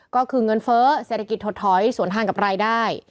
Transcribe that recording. ก็คือเงินเฟ้อเศรษฐกิจถดถอยสวนทางกับรายได้